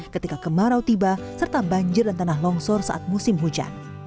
ketika kemarau tiba serta banjir dan tanah longsor saat musim hujan